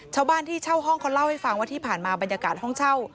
ชาวบ้านที่เช่าห้องเขาเล่าให้ฟังว่าที่ผ่านมาบรรยากาศห้องเช่า